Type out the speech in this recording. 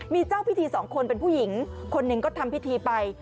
มีเจ้าพิธีสองคนเป็นผู้หญิงคนหนึ่งก็ทำพิธีไป